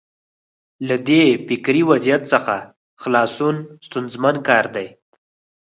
له دې فکري وضعیت څخه خلاصون ستونزمن کار دی.